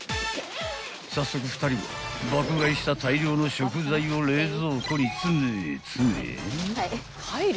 ［早速２人は爆買いした大量の食材を冷蔵庫に詰め詰め］